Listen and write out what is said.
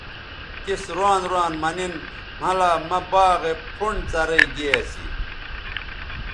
تس روان روان مہ نِن مھلا مہ باغے پھنڈ څرئ گے اسی